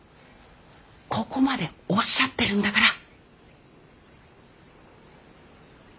ここまでおっしゃってるんだから。